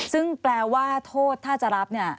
ซึ่งแปลว่าโทษถ้าจะรับเนี่ย